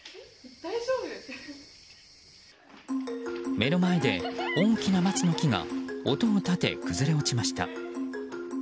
目の前で大きな松の木が音を立て、崩れ落ちました。